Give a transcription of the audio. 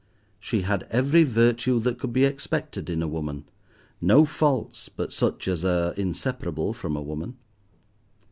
She had every virtue that could be expected in a woman, no faults, but such as are inseparable from a woman.